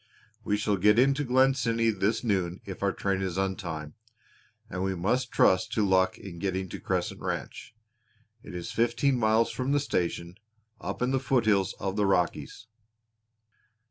We shall get into Glen City this noon if our train is on time and we must trust to luck in getting to Crescent Ranch. It is fifteen miles from the station, up in the foot hills of the Rockies."